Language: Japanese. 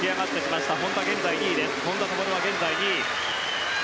本多灯は現在２位。